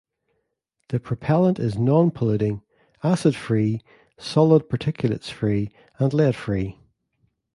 The propellant is non-polluting: acid-free, solid particulates-free, and lead-free.